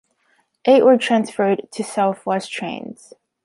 Eight were transferred to South West Trains.